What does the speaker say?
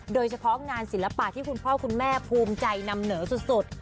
โดยเฉพาะงานศิลปะที่คุณพ่อคุณแม่ภูมิใจนำเหนอสุด